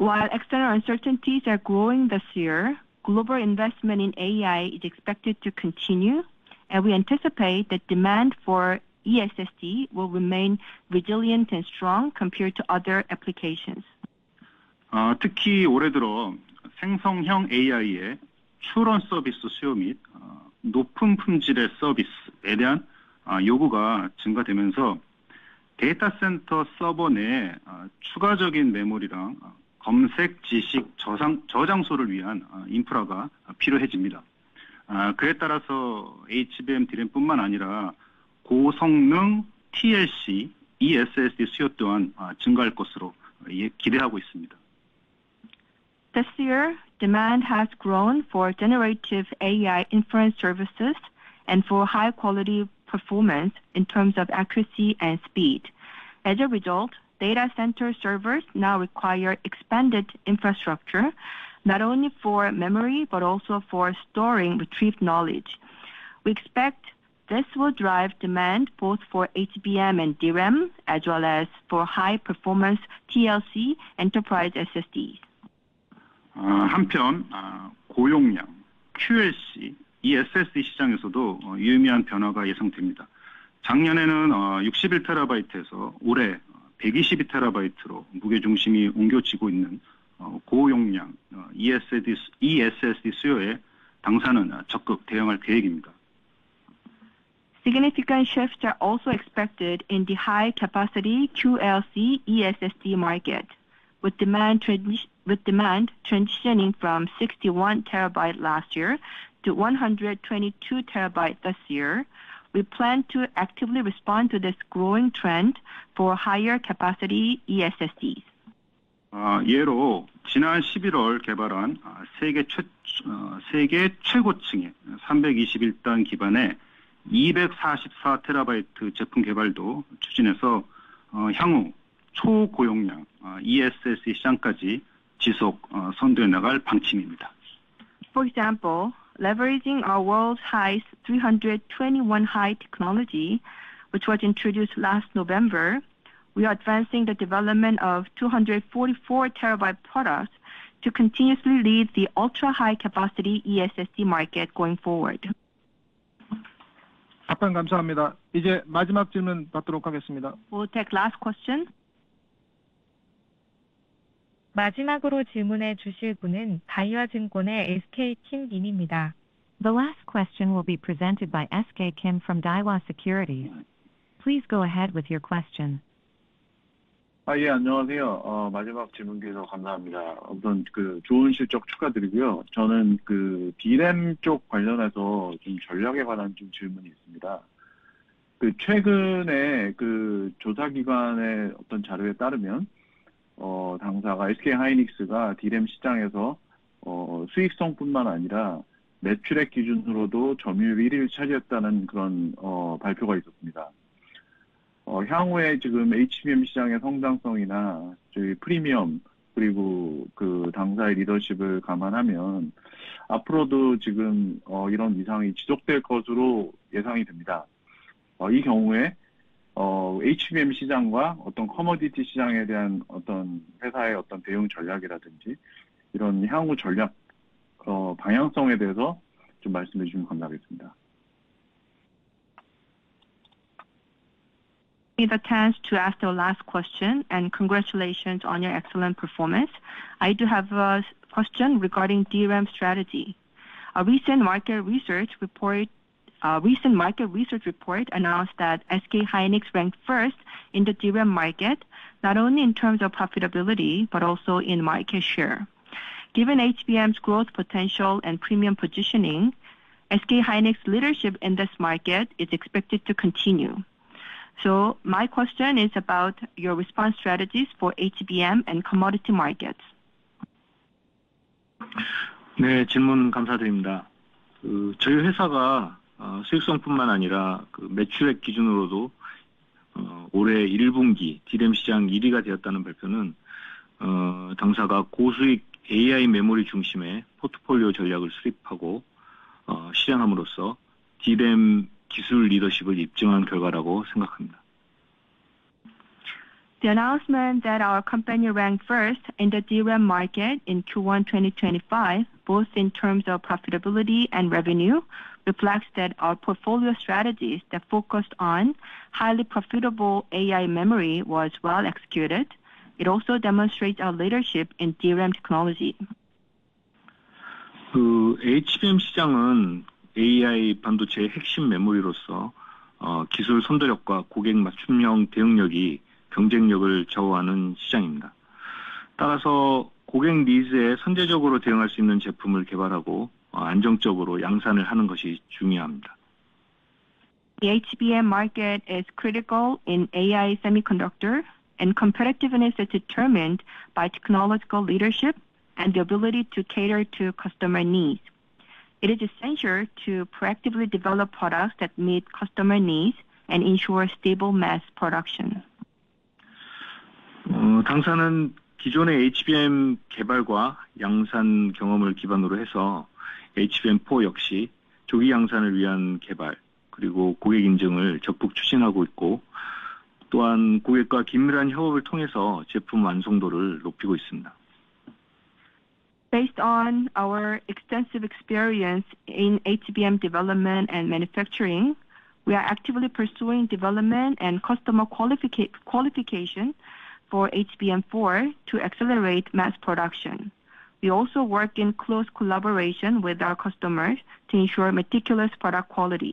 While external uncertainties are growing this year, global investment in AI is expected to continue, and we anticipate that demand for ESSD will remain resilient and strong compared to other applications. 특히 올해 들어 생성형 AI의 추론 서비스 수요 및 높은 품질의 서비스에 대한 요구가 증가되면서 데이터 센터 서버 내에 추가적인 메모리랑 검색, 지식 저장소를 위한 인프라가 필요해집니다. 그에 따라서 HBM D램뿐만 아니라 고성능 TLC ESSD 수요 또한 증가할 것으로 기대하고 있습니다. This year, demand has grown for generative AI inference services and for high-quality performance in terms of accuracy and speed. As a result, data center servers now require expanded infrastructure, not only for memory but also for storing retrieved knowledge. We expect this will drive demand both for HBM and DRAM, as well as for high-performance TLC Enterprise SSDs. 한편, 고용량 QLC ESSD 시장에서도 유의미한 변화가 예상됩니다. 작년에는 61 TB에서 올해 122 TB로 무게 중심이 옮겨지고 있는 고용량 ESSD 수요에 당사는 적극 대응할 계획입니다. Significant shifts are also expected in the high-capacity QLC ESSD market. With demand transitioning from 61 TB last year to 122 TB this year, we plan to actively respond to this growing trend for higher-capacity ESSDs. 예로 지난 11월 개발한 세계 최고층의 321단 기반의 244 TB 제품 개발도 추진해서 향후 초고용량 ESSD 시장까지 지속 선도해 나갈 방침입니다. For example, leveraging our world's highest 321-layer technology, which was introduced last November, we are advancing the development of 244 TB products to continuously lead the ultra-high-capacity ESSD market going forward. 답변 감사합니다. 이제 마지막 질문 받도록 하겠습니다. We'll take last question. 마지막으로 질문해 주실 분은 다이와증권의 SK Kim 님입니다. The last question will be presented by SK Kim from Daiwa Securities. Please go ahead with your question. 예, 안녕하세요. 마지막 질문 주셔서 감사합니다. 우선 좋은 실적 축하드리고요. 저는 D램 쪽 관련해서 좀 전략에 관한 질문이 있습니다. 최근에 조사기관의 자료에 따르면 당사가 SK hynix가 D램 시장에서 수익성뿐만 아니라 매출액 기준으로도 점유율 1위를 차지했다는 그런 발표가 있었습니다. 향후에 지금 HBM 시장의 성장성이나 프리미엄, 그리고 당사의 리더십을 감안하면 앞으로도 지금 이런 위상이 지속될 것으로 예상이 됩니다. 이 경우에 HBM 시장과 커머디티 시장에 대한 회사의 대응 전략이라든지 이런 향후 전략 방향성에 대해서 좀 말씀해 주시면 감사하겠습니다. I take the chance to ask the last question, and congratulations on your excellent performance. I do have a question regarding DRAM strategy. A recent market research report announced that SK hynix ranked first in the DRAM market, not only in terms of profitability but also in market share. Given HBM's growth potential and premium positioning, SK hynix's leadership in this market is expected to continue. My question is about your response strategies for HBM and commodity markets. 네, 질문 감사드립니다. 저희 회사가 수익성뿐만 아니라 매출액 기준으로도 올해 1분기 D램 시장 1위가 되었다는 발표는 당사가 고수익 AI 메모리 중심의 포트폴리오 전략을 수립하고 실행함으로써 D램 기술 리더십을 입증한 결과라고 생각합니다. The announcement that our company ranked first in the DRAM market in Q1 2025, both in terms of profitability and revenue, reflects that our portfolio strategies that focused on highly profitable AI memory were well executed. It also demonstrates our leadership in DRAM technology. HBM 시장은 AI 반도체의 핵심 메모리로서 기술 선도력과 고객 맞춤형 대응력이 경쟁력을 좌우하는 시장입니다. 따라서 고객 니즈에 선제적으로 대응할 수 있는 제품을 개발하고 안정적으로 양산을 하는 것이 중요합니다. The HBM market is critical in AI semiconductor, and competitiveness is determined by technological leadership and the ability to cater to customer needs. It is essential to proactively develop products that meet customer needs and ensure stable mass production. 당사는 기존의 HBM 개발과 양산 경험을 기반으로 해서 HBM4 역시 조기 양산을 위한 개발, 그리고 고객 인증을 적극 추진하고 있고, 또한 고객과 긴밀한 협업을 통해서 제품 완성도를 높이고 있습니다. Based on our extensive experience in HBM development and manufacturing, we are actively pursuing development and customer qualification for HBM4 to accelerate mass production. We also work in close collaboration with our customers to ensure meticulous product quality.